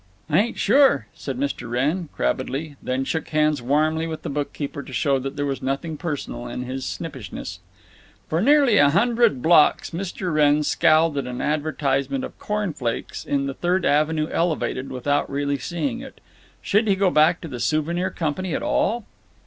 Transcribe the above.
"I ain't sure," said Mr. Wrenn, crabbedly, then shook hands warmly with the bookkeeper, to show there was nothing personal in his snippishness. For nearly a hundred blocks Mr. Wrenn scowled at an advertisement of Corn Flakes in the Third Avenue Elevated without really seeing it…. Should he go back to the Souvenir Company at all?